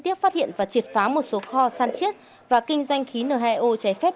chi tiết phát hiện và triệt phá một số kho săn chết và kinh doanh khí n hai o cháy phép